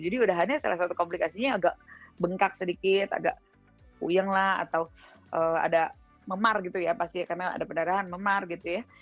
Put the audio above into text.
jadi udah hanya salah satu komplikasinya agak bengkak sedikit agak puyeng lah atau ada memar gitu ya pasti karena ada penarahan memar gitu ya